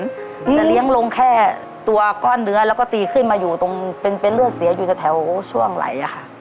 จะเลี้ยงลงแค่ตัวก้อนเนื้อแล้วก็ตีขึ้นมาอยู่ตรงเป็นเป็นเลือดเสียอยู่แถวช่วงไหลอะค่ะ